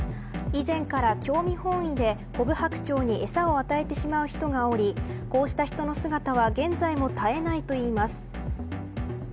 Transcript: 以前から興味本位でコブハクチョウに餌を与えてしまう人がおりこうした人の姿は現在も絶えないといいます。